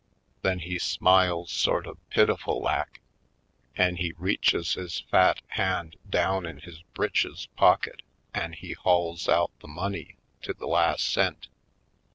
Then he smiles sort of pitiful lak an' he reaches his fat hand down in his britches pocket an' he hauls out the money to the las' cent.